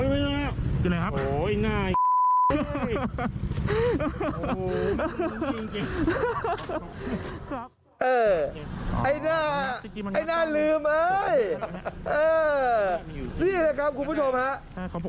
ไม่รู้เว้ยนี่แหละครับคุณผู้ชมครับ